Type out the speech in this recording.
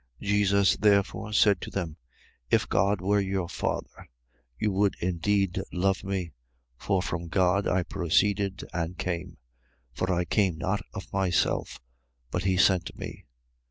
8:42. Jesus therefore said to them: If God were your Father, you would indeed love me. For from God I proceeded and came. For I came not of myself: but he sent me.